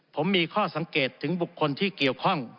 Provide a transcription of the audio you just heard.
ผมมีข้อสังเกตถึงบุคคลที่เกี่ยวข้อง